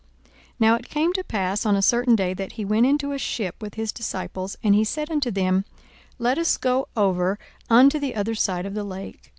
42:008:022 Now it came to pass on a certain day, that he went into a ship with his disciples: and he said unto them, Let us go over unto the other side of the lake.